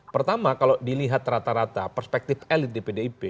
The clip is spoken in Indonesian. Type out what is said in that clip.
pertama kalau dilihat rata rata perspektif elit di pdip